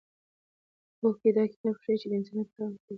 هوکې دا کتاب ښيي چې انسانیت تر هر څه پورته دی.